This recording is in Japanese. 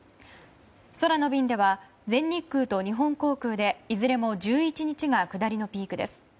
空の便では全日空と日本航空でいずれも１１日が下りのピークです。